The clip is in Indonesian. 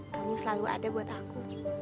kamu selalu ada buat aku